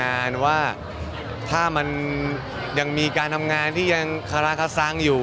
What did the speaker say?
งานว่าถ้ามันยังมีการทำงานที่ยังคาราคาซังอยู่